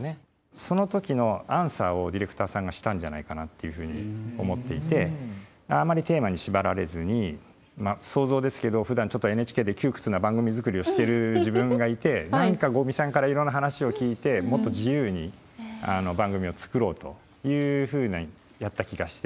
その時のアンサーをディレクターさんがしたんじゃないかなっていうふうに思っていてあまりテーマに縛られずにまあ想像ですけどふだんちょっとＮＨＫで窮屈な番組作りをしてる自分がいて何か五味さんからいろんな話を聞いてもっと自由に番組を作ろうというふうにやった気がして。